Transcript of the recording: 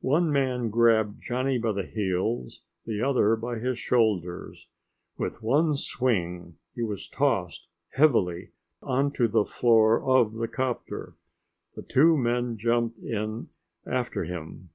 One man grabbed Johnny by the heels, the other by his shoulders. With one swing he was tossed heavily onto the floor of the 'copter. The two men jumped in after him.